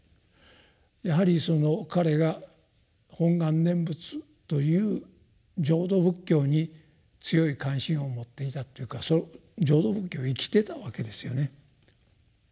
やはりその彼が「本願念仏」という浄土仏教に強い関心を持っていたというかその浄土仏教を生きてたわけですよね。